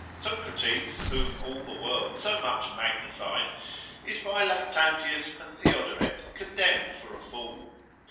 Socrates, whom all the world so much magnified, is by Lactantius and Theodoret condemned for a fool.